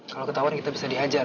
kalau ketahuan kita bisa diajar